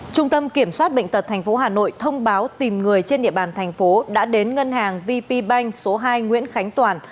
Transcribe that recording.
trung tâm kiểm soát bệnh tật tp hà nội thông báo tìm người trên địa bàn thành phố đã đến ngân hàng vp bank số hai nguyễn khánh toàn